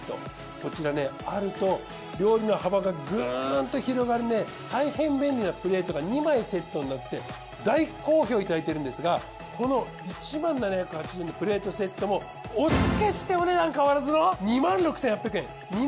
こちらあると料理の幅がグーンと広がる大変便利なプレートが２枚セットになって大好評いただいてるんですがこの１０，７８０円のプレートセットもお付けしてお値段変わらずの。